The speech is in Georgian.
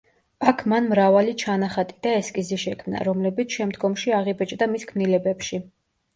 აქ მან მრავალი ჩანახატი და ესკიზი შექმნა, რომლებიც შემდგომში აღიბეჭდა მის ქმნილებებში.